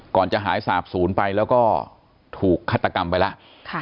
จะหายสาบศูนย์ไปแล้วก็ถูกฆาตกรรมไปแล้ว